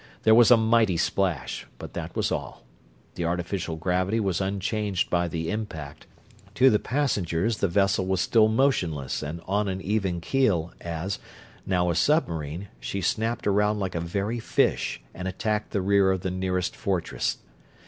There was a mighty splash, but that was all. The artificial gravity was unchanged by the impact; to the passengers the vessel was still motionless and on even keel as, now a submarine, she snapped around like a very fish and attacked the rear of the nearest fortress.